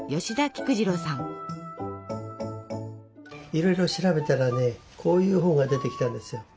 いろいろ調べたらねこういう本が出てきたんです。